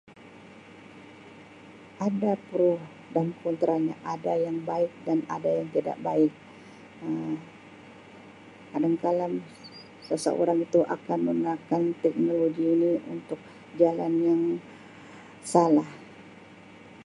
Ada pro dan kontra nya ada yang baik dan ada yang tidak baik Um kadangkala seseorang itu akan menggunakan teknologi ini untuk jalan yang salah.